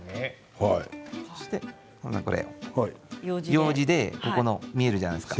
ようじでここ見えるじゃないですか。